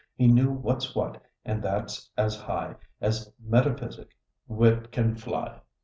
He knew what's what, and that's as high As metaphysic wit can fly.